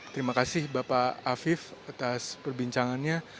terima kasih bapak afif atas perbincangannya